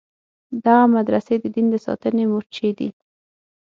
دغه مدرسې د دین د ساتنې مورچې دي.